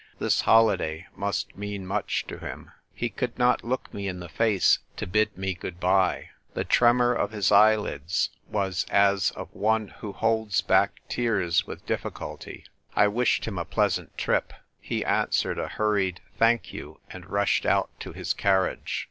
This holiday must mean much to him. He could not look me in the face to bid me good bye. The 198 THE TYFE WRITER GIRL. tremor of his eyelids was as of one who holds back tears with difficulty. I wished him a pleasant trip. He answered a hurried " Thank you," and rushed out to his carriage.